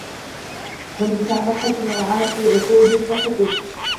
وَالْمُسَامَحَةُ نَوْعَانِ فِي عُقُودٍ وَحُقُوقٍ